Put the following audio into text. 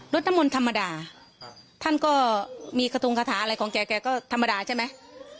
น้ำมนต์ธรรมดาท่านก็มีกระทงคาถาอะไรของแกแกก็ธรรมดาใช่ไหม